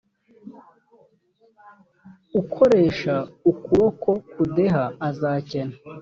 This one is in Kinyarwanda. ukoresha ukuboko kudeha azakena